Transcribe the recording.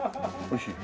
おいしい？